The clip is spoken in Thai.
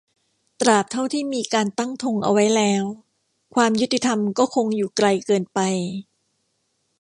ตราบเท่าที่มีการตั้งธงเอาไว้แล้ว ความยุติธรรมก็คงอยู่ไกลเกินไป